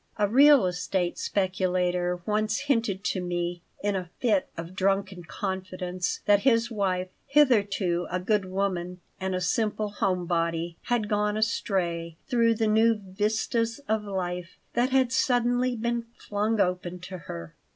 A real estate speculator once hinted to me, in a fit of drunken confidence, that his wife, hitherto a good woman and a simple home body, had gone astray through the new vistas of life that had suddenly been flung open to her.